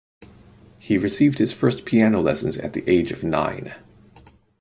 He received his first piano lessons at the age of nine.